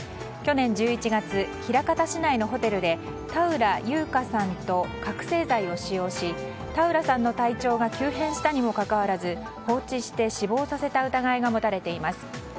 去年１１月、枚方市内のホテルで田浦優歌さんと覚醒剤を使用し田浦さんの体調が急変したにもかかわらず放置して死亡させた疑いが持たれています。